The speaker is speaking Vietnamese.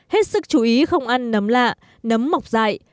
hết sức chú ý không ăn nấm lạ nấm mọc dại